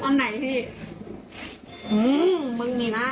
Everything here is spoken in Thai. มึงหน่อยนะ